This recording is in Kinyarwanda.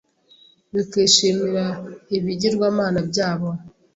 bakishimira ibigirwamana byabo,